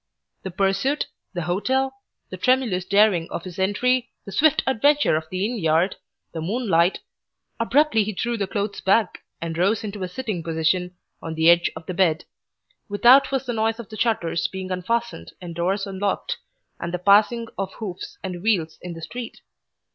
The pursuit, the hotel, the tremulous daring of his entry, the swift adventure of the inn yard, the moonlight Abruptly he threw the clothes back and rose into a sitting position on the edge of the bed. Without was the noise of shutters being unfastened and doors unlocked, and the passing of hoofs and wheels in the street.